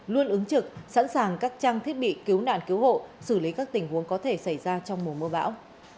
luôn ứng trực sẵn sàng các trang thiết bị cứu nạn cứu hộ xử lý các tình huống có thể xảy ra trong mùa mưa bão